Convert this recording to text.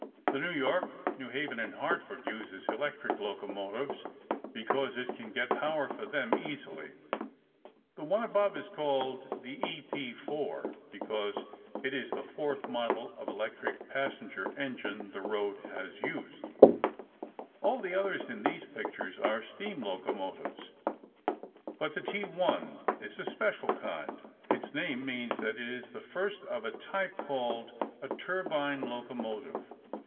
The New York, New Haven & Hartford uses electric locomotives because it can get power for them easily. The one above is called the EP 4 because it is the fourth model of electric passenger engine the road has used. [Illustration: PERE MARQUETTE BERKSHIRE NEW YORk CENTRAL HUDSON] All the others in these pictures are steam locomotives, but the T 1 is a special kind. Its name means that it is the first of a type called a turbine locomotive.